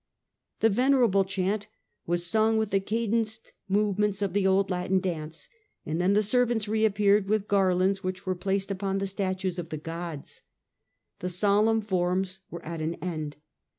The venerable chant was sung with the cadenced movements of the old Latin dance, and then the servants reappeared with garlands which were placed upon the statues of the gods. The solemn forms were at an end.